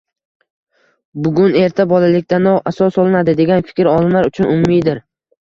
Bunga erta bolalikdanoq asos solinadi, degan fikr olimlar uchun umumiydir.